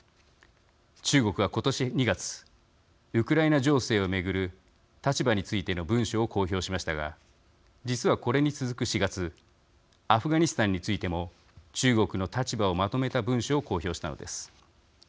中国は、今年２月ウクライナ情勢を巡る立場についての文書を公表しましたが実は、これに続く４月アフガニスタンについても中国の立場をまとめた文書を公表したのです。